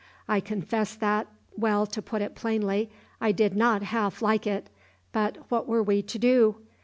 I confess that well, to put it plainly, I did not half like it; but what were we to do?